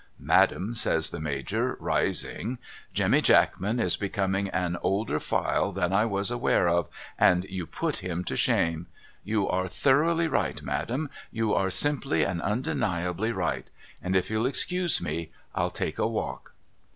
' Madam ' says the Major rising ' Jemmy Jackman is becoming an older file than I was aware of, and you put him to shame. You are thoroughly right Madam. You are simply and undeniably right. — And if you'll excuse me, I'll take a walk.'